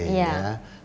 karena pangan butuh air